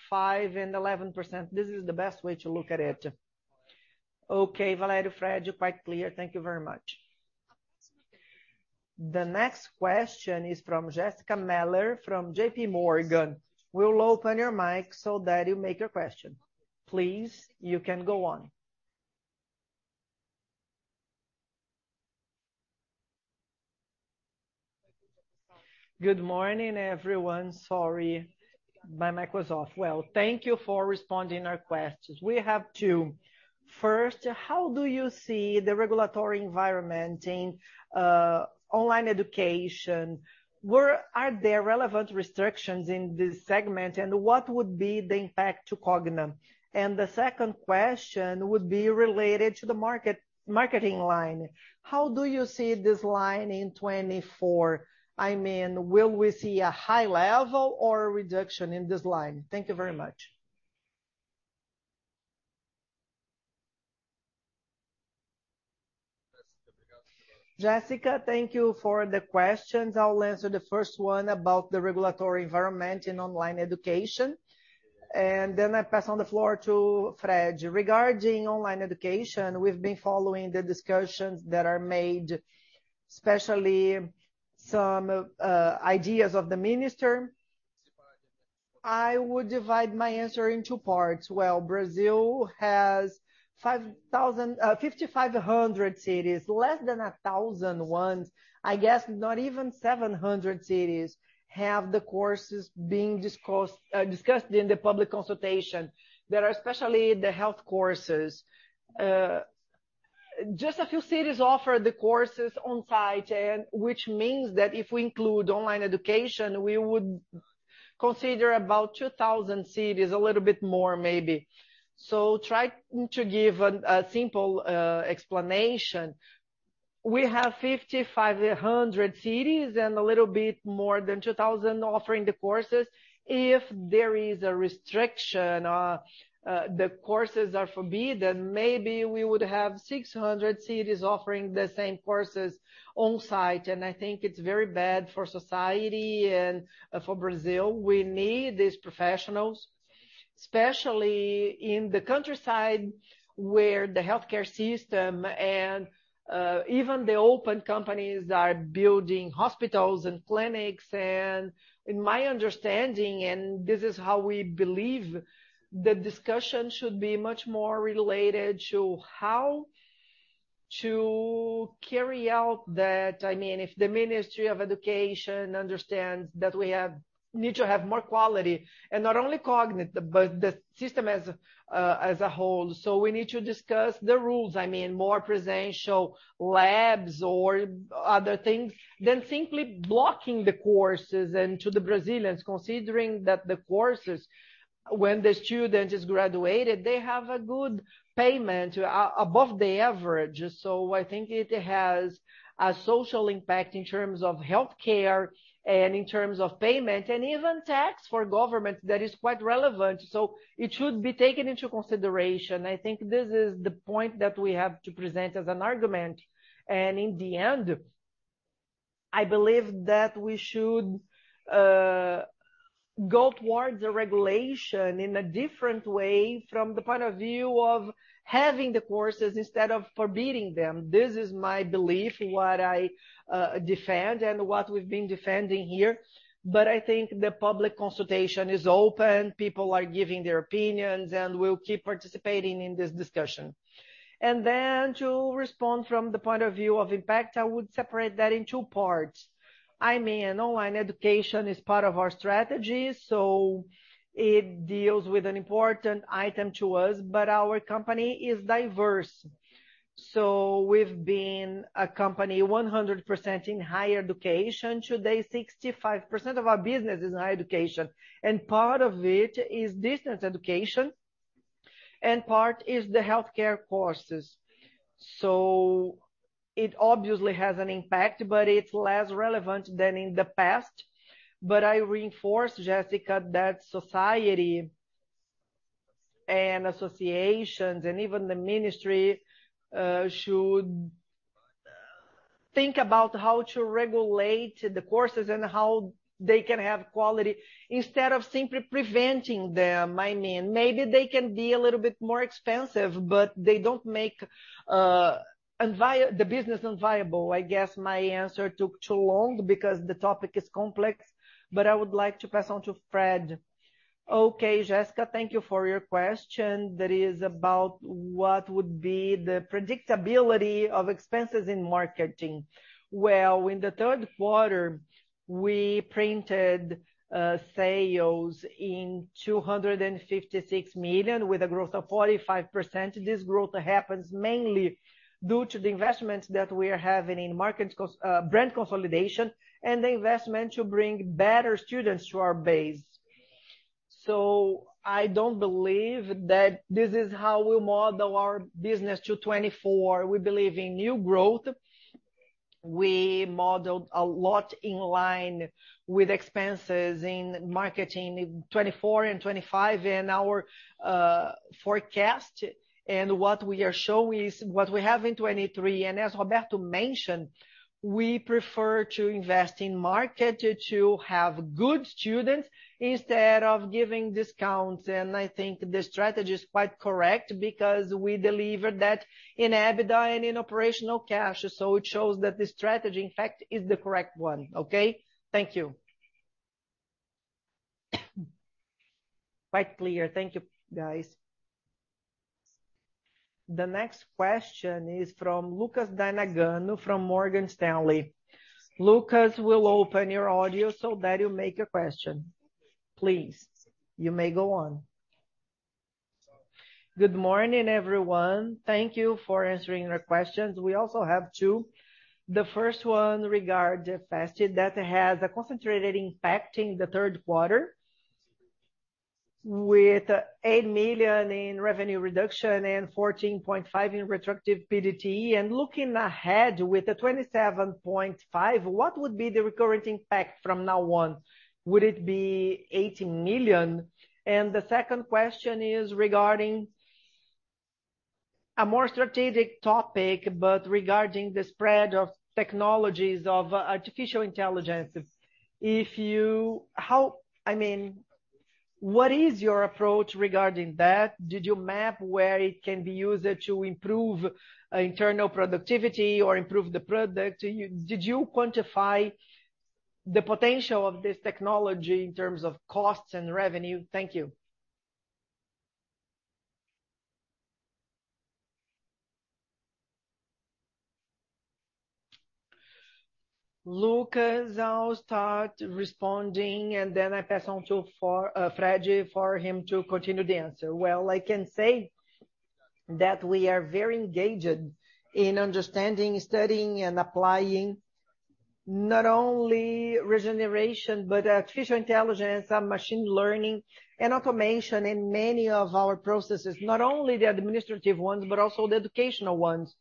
and 11%. This is the best way to look at it. Okay, Valério, Fred, you're quite clear. Thank you very much. The next question is from Jessica Miller, from JPMorgan. We'll open your mic so that you make your question. Please, you can go on. Good morning, everyone. Sorry, my mic was off. Well, thank you for responding our questions. We have two. First, how do you see the regulatory environment in, uh, online education? Where are there relevant restrictions in this segment, and what would be the impact to Cogna? And the second question would be related to the market- marketing line. How do you see this line in 2024? I mean, will we see a high level or a reduction in this line? Thank you very much. Jessica, thank you for the questions. I'll answer the first one about the regulatory environment in online education, and then I pass on the floor to Fred. Regarding online education, we've been following the discussions that are made, especially some ideas of the minister. I would divide my answer in two parts. Well, Brazil has 5,500 cities, less than 1,000 ones. I guess not even 700 cities have the courses being discussed in the public consultation. There are especially the health courses. Just a few cities offer the courses on site and which means that if we include online education, we would consider about 2,000 cities, a little bit more maybe. So trying to give an, a simple, explanation, we have 5,500 cities and a little bit more than 2,000 offering the courses. If there is a restriction or, the courses are forbidden, maybe we would have 600 cities offering the same courses on site, and I think it's very bad for society and for Brazil. We need these professionals, especially in the countryside, where the healthcare system and, even the open companies are building hospitals and clinics. And in my understanding, and this is how we believe, the discussion should be much more related to how to carry out that... I mean, if the Ministry of Education understands that we have-- need to have more quality, and not only Cogna, but the system as a, as a whole. So we need to discuss the rules, I mean, more presential labs or other things than simply blocking the courses and to the Brazilians, considering that the courses, when the student is graduated, they have a good payment above the average. So I think it has a social impact in terms of healthcare and in terms of payment and even tax for government that is quite relevant, so it should be taken into consideration. I think this is the point that we have to present as an argument, and in the end, I believe that we should go towards a regulation in a different way from the point of view of having the courses instead of forbidding them. This is my belief in what I defend and what we've been defending here. But I think the public consultation is open, people are giving their opinions, and we'll keep participating in this discussion. And then to respond from the point of view of impact, I would separate that in two parts. I mean, online education is part of our strategy, so it deals with an important item to us, but our company is diverse. So we've been a company 100% in higher education. Today, 65% of our business is in higher education, and part of it is distance education, and part is the healthcare courses. So it obviously has an impact, but it's less relevant than in the past. But I reinforce, Jessica, that society and associations and even the ministry should think about how to regulate the courses and how they can have quality instead of simply preventing them. I mean, maybe they can be a little bit more expensive, but they don't make the business unviable. I guess my answer took too long because the topic is complex, but I would like to pass on to Fred. Okay, Jessica, thank you for your question. That is about what would be the predictability of expenses in marketing. Well, in the third quarter, we printed sales in 256 million, with a growth of 45%. This growth happens mainly due to the investments that we are having in brand consolidation and the investment to bring better students to our base. So I don't believe that this is how we'll model our business to 2024. We believe in new growth. We modeled a lot in line with expenses in marketing in 2024 and 2025, and our forecast and what we are showing is what we have in 2023. And as Roberto mentioned, we prefer to invest in market to have good students instead of giving discounts. And I think the strategy is quite correct because we delivered that in EBITDA and in operational cash. So it shows that the strategy, in fact, is the correct one. Okay? Thank you. Quite clear. Thank you, guys. The next question is from Lucas Nagano from Morgan Stanley. Lucas, we'll open your audio so that you make your question. Please, you may go on. Good morning, everyone. Thank you for answering our questions. We also have two. The first one regards the FIES that has a concentrated impact in the third quarter, with 8 million in revenue reduction and 14.5 in retroactive PCLD. Looking ahead with the 27.5, what would be the recurrent impact from now on? Would it be 80 million? The second question is regarding a more strategic topic, but regarding the spread of technologies of artificial intelligence. If you-- How-- I mean, what is your approach regarding that? Did you map where it can be used to improve internal productivity or improve the product? Did you quantify the potential of this technology in terms of costs and revenue? Thank you. Lucas, I'll start responding, and then I pass on to for Fred, for him to continue the answer. Well, I can say that we are very engaged in understanding, studying, and applying not only regeneration, but artificial intelligence and machine learning and automation in many of our processes, not only the administrative ones, but also the educational ones.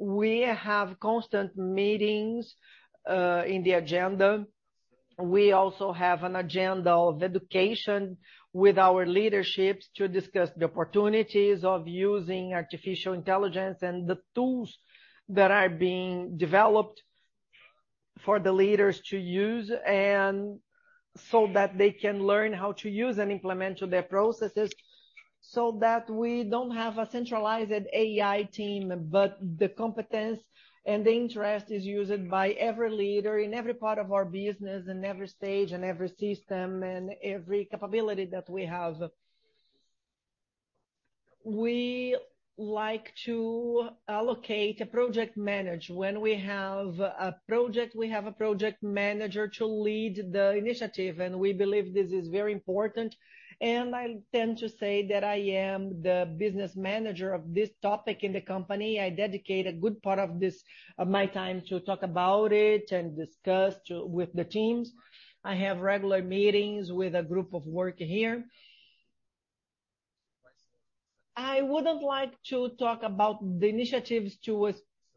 We have constant meetings in the agenda. We also have an agenda of education with our leaderships to discuss the opportunities of using artificial intelligence and the tools that are being developed for the leaders to use, and so that they can learn how to use and implement to their processes, so that we don't have a centralized AI team, but the competence and the interest is used by every leader in every part of our business and every stage and every system and every capability that we have. We like to allocate a project manager. When we have a project, we have a project manager to lead the initiative, and we believe this is very important. I tend to say that I am the business manager of this topic in the company. I dedicate a good part of this, of my time to talk about it and discuss with the teams. I have regular meetings with a group of work here. I wouldn't like to talk about the initiatives to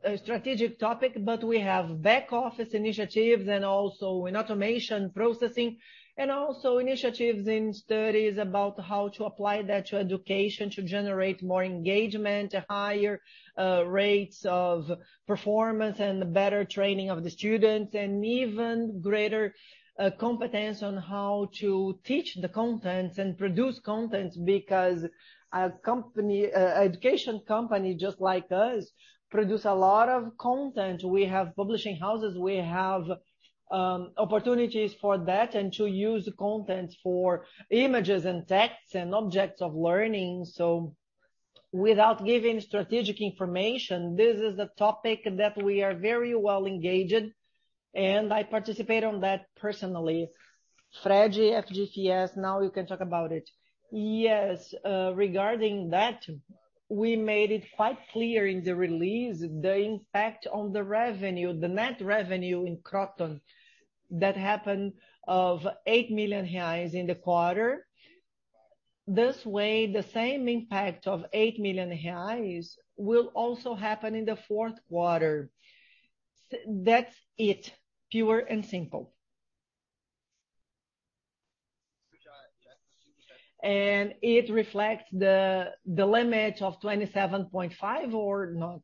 a strategic topic, but we have back office initiatives and also in automation, processing, and also initiatives in studies about how to apply that to education, to generate more engagement, higher rates of performance and better training of the students, and even greater competence on how to teach the contents and produce contents. Because a company, an education company, just like us, produce a lot of content. We have publishing houses, we have opportunities for that and to use content for images and texts and objects of learning. So without giving strategic information, this is a topic that we are very well engaged, and I participate on that personally. Fred, FGTS, now you can talk about it. Yes, regarding that, we made it quite clear in the release, the impact on the revenue, the net revenue in Kroton, that happened of 8 million reais in the quarter. This way, the same impact of 8 million reais will also happen in the fourth quarter. That's it, pure and simple. And it reflects the limit of 27.5 or not?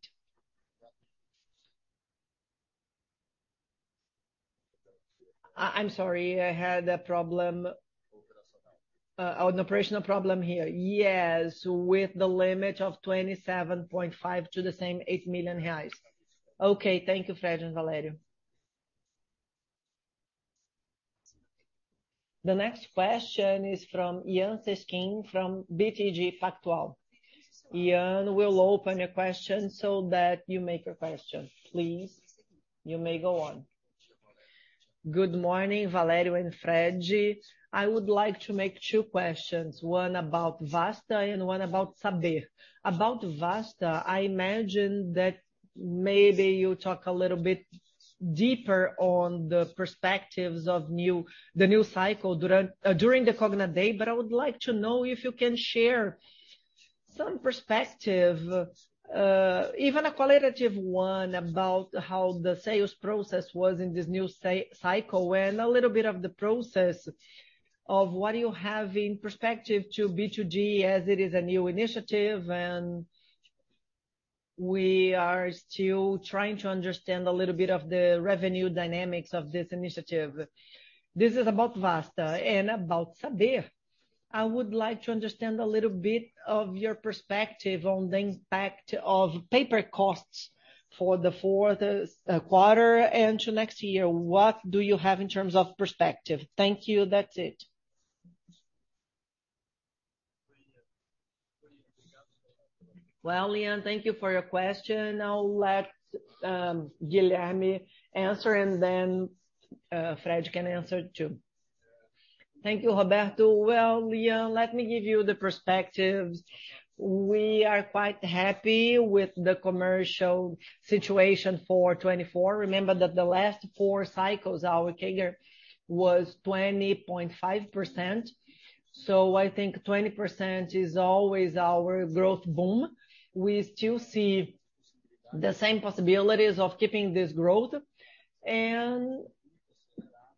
I'm sorry, I had a problem - an operational problem here. Yes, with the limit of 27.5 to the same 8 million reais. Okay. Thank you, Fred and Valério. The next question is from Yan Cesquim from BTG Pactual. Ian, we'll open your question so that you make your question, please. You may go on. Good morning, Valério and Frederico. I would like to make two questions, one about Vasta and one about Saber. About Vasta, I imagine that maybe you talk a little bit deeper on the perspectives of the new cycle during during the Cogna Day, but I would like to know if you can share some perspective, even a qualitative one about how the sales process was in this new cycle, and a little bit of the process of what you have in perspective to B2G as it is a new initiative, and we are still trying to understand a little bit of the revenue dynamics of this initiative. This is about Vasta and about Saber. I would like to understand a little bit of your perspective on the impact of paper costs for the fourth quarter and to next year. What do you have in terms of perspective? Thank you. That's it. Well, Yan, thank you for your question. I'll let Guilherme answer, and then Fred can answer, too. Thank you, Roberto. Well, Yan, let me give you the perspective. We are quite happy with the commercial situation for 2024. Remember that the last four cycles, our CAGR was 20.5%, so I think 20% is always our growth boom. We still see the same possibilities of keeping this growth, and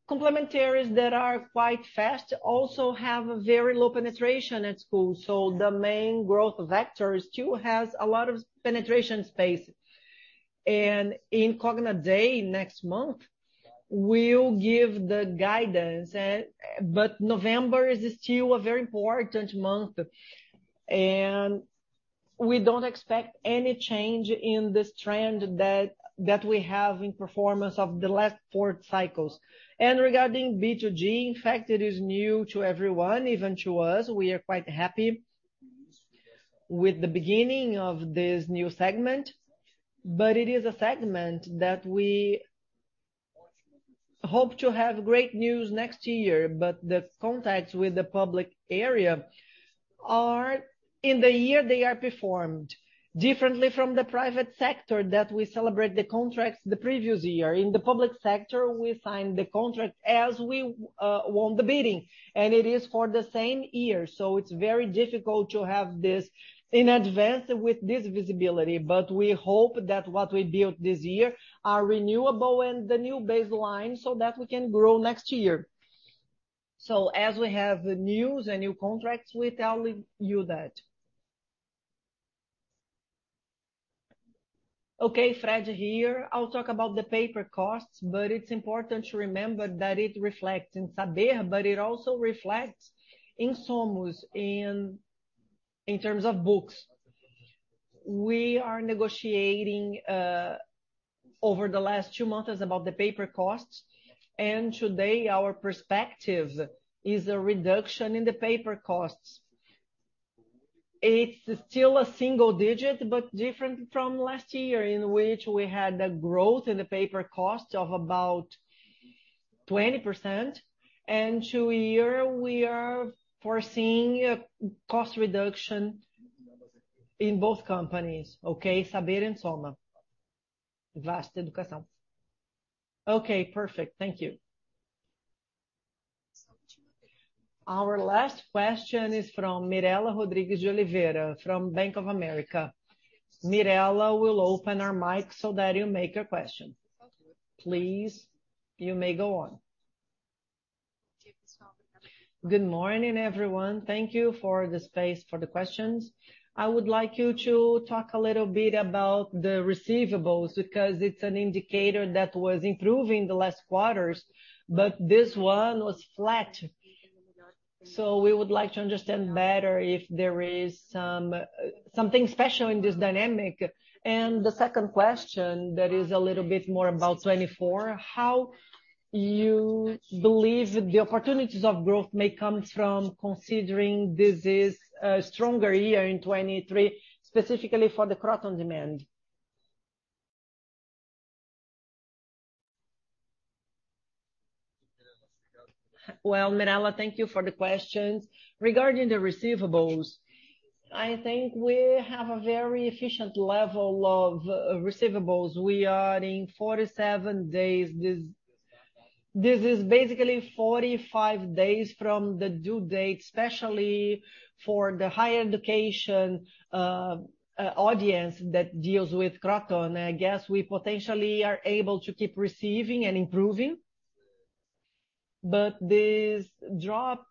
complementaries that are quite fast also have a very low penetration at school, so the main growth vector still has a lot of penetration space. In Cogna Day, next month, we'll give the guidance, but November is still a very important month, and we don't expect any change in this trend that we have in performance of the last four cycles. Regarding B2G, in fact, it is new to everyone, even to us. We are quite happy with the beginning of this new segment, but it is a segment that we hope to have great news next year. But the contacts with the public area are... In the year, they are performed differently from the private sector that we celebrate the contracts the previous year. In the public sector, we sign the contract as we won the bidding, and it is for the same year. So it's very difficult to have this in advance with this visibility, but we hope that what we build this year are renewable and the new baseline so that we can grow next year. So as we have news and new contracts, we tell you that. Okay, Fred, here. I'll talk about the paper costs, but it's important to remember that it reflects in Saber, but it also reflects in SOMOS in terms of books. We are negotiating over the last two months about the paper costs, and today our perspective is a reduction in the paper costs. It's still a single-digit, but different from last year, in which we had a growth in the paper cost of about 20%, and to a year, we are foreseeing a cost reduction in both companies, okay? Saber and SOMOS. Vasta Educação. Okay, perfect. Thank you. Our last question is from Mirela Rodrigues de Oliveira from Bank of America. Mirela, we'll open our mic so that you make your question. Please, you may go on. Good morning, everyone. Thank you for the space for the questions. I would like you to talk a little bit about the receivables, because it's an indicator that was improving the last quarters, but this one was flat. So we would like to understand better if there is some something special in this dynamic. And the second question, that is a little bit more about 2024, how you believe the opportunities of growth may come from considering this is a stronger year in 2023, specifically for the Kroton demand? Well, Mirela, thank you for the questions. Regarding the receivables, I think we have a very efficient level of receivables. We are in 47 days. This, this is basically 45 days from the due date, especially for the higher education audience that deals with Kroton. I guess we potentially are able to keep receiving and improving, but this drop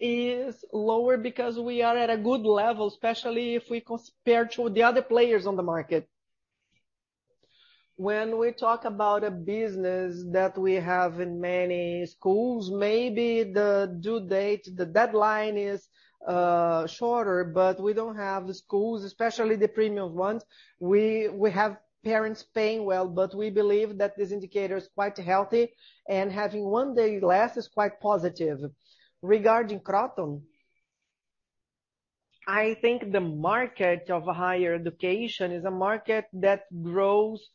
is lower because we are at a good level, especially if we compare to the other players on the market. When we talk about a business that we have in many schools, maybe the due date, the deadline is shorter, but we don't have the schools, especially the premium ones. We, we have parents paying well, but we believe that this indicator is quite healthy, and having one day less is quite positive. Regarding Kroton, I think the market of higher education is a market that grows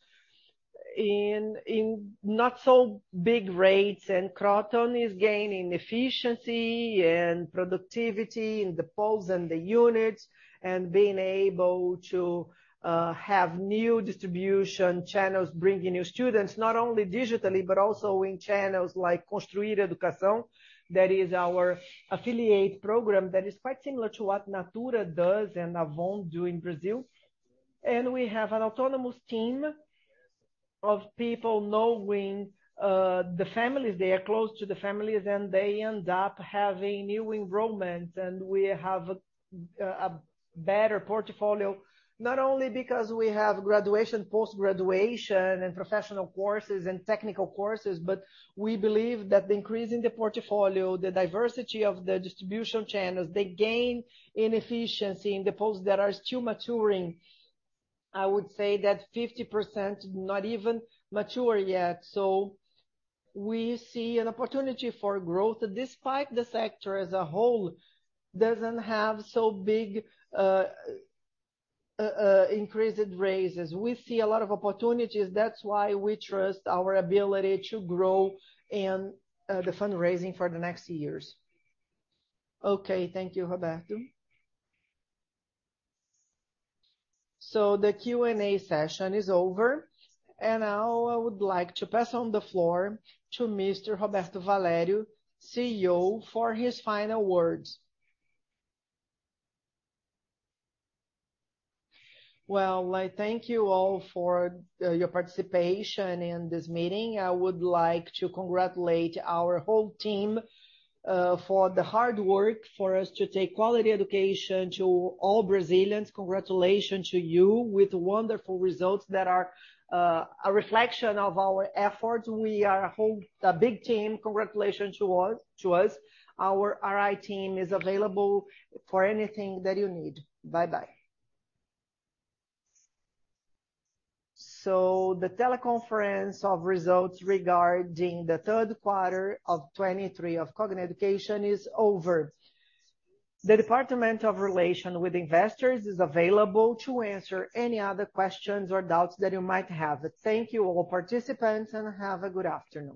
in, in not so big rates, and Kroton is gaining efficiency and productivity in the poles and the units, and being able to have new distribution channels, bringing new students, not only digitally, but also in channels like Consultoria Educação. That is our affiliate program that is quite similar to what Natura does and Avon do in Brazil. We have an autonomous team of people knowing the families, they are close to the families, and they end up having new enrollment. We have a better portfolio, not only because we have graduation, post-graduation, and professional courses and technical courses, but we believe that increasing the portfolio, the diversity of the distribution channels, they gain in efficiency in the posts that are still maturing. I would say that 50% not even mature yet. We see an opportunity for growth, despite the sector as a whole doesn't have so big increased raises. We see a lot of opportunities. That's why we trust our ability to grow and the fundraising for the next years. Okay, thank you, Roberto. So the Q&A session is over, and now I would like to pass on the floor to Mr. Roberto Valério, CEO, for his final words. Well, I thank you all for your participation in this meeting. I would like to congratulate our whole team for the hard work, for us to take quality education to all Brazilians. Congratulation to you with wonderful results that are a reflection of our efforts. We are a whole a big team. Congratulations to us, to us. Our RI team is available for anything that you need. Bye-bye. So the teleconference of results regarding the third quarter of 2023 of Cogna Educação is over. The Investor Relations Department is available to answer any other questions or doubts that you might have. Thank you, all participants, and have a good afternoon.